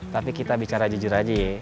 tapi kita bicara jujur aja ya